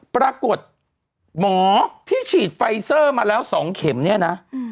ปรากฏหมอที่ฉีดไฟเซอร์มาแล้ว๒เข็มเนี่ยนะ